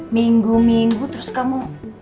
minggu minggu terus kamu